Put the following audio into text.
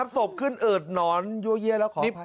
ศพขึ้นอืดหนอนเยอะแล้วขออภัย